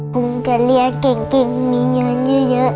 ผมก็เรียกเก่งมีเงินเยอะ